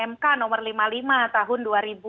mk nomor lima puluh lima tahun